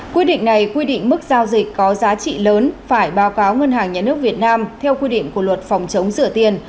quy định này quy định mức giao dịch có giá trị lớn phải báo cáo ngân hàng nhà nước việt nam theo quy định của luật phòng chống rửa tiền